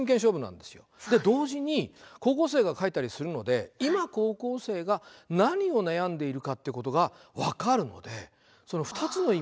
で同時に高校生が書いたりするので今高校生が何を悩んでいるかってことが分かるのでその２つの意味でね